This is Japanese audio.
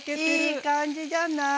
いい感じじゃない？